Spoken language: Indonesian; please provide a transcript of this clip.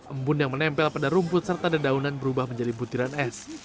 embun yang menempel pada rumput serta dedaunan berubah menjadi butiran es